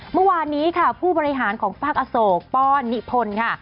เมื่อวานนี้ค่ะผู้บริหารของฝากอโศกป้อนนิพลค่ะ